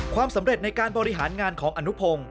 ความสำเร็จในการบริหารงานของอนุพงศ์